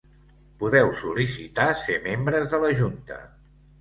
Podeu sol·licitar ser membres de la Junta.